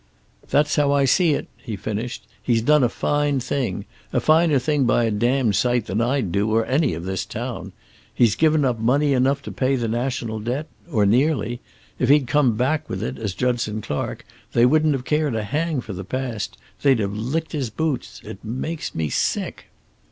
"That's how I see it," he finished. "He's done a fine thing. A finer thing by a damned sight than I'd do, or any of this town. He's given up money enough to pay the national debt or nearly. If he'd come back with it, as Judson Clark, they wouldn't have cared a hang for the past. They'd have licked his boots. It makes me sick."